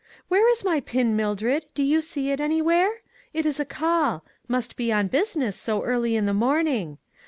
" Where is my pin, Mildred, do you see it anywhere? It is a call; must be on busi ness so early in the morning.